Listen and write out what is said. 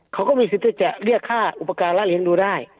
เขาก็มีสิทธิ์ที่จะเรียกค่าอุปกรณ์และเลี้ยงดูได้